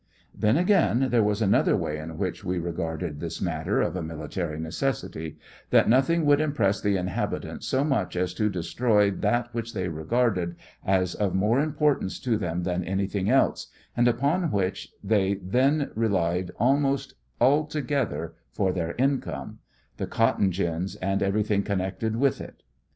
Then, again, there was another way in which we re garded this matter of amilitary necessity ; that nothing would impress the inhabitants so much as to destroy that which they regarded as of more importance to " them than anything else, and upon which they then re lied almost altogether for their income ; the cotton, gins, and everything connected with it